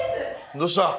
どうした？